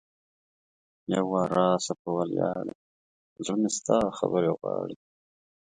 یو وار راسه په ولیاړې ـ زړه مې ستا خبرې غواړي